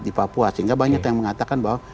di papua sehingga banyak yang mengatakan bahwa